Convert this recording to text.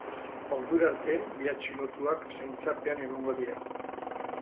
Ordura arte, bi atxilotuak zaintzapean egongo dira.